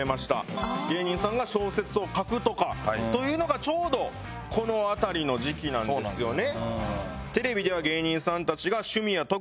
芸人さんが小説を書くとかというのがちょうどこの辺りの時期なんですよね。